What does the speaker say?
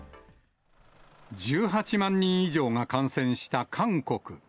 １８万人以上が感染した韓国。